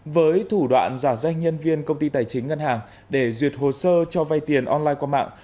với thủ đoạn giả danh nhân viên công ty tài chính ngân hàng để duyệt hồ sơ cho vay tiền online qua mạng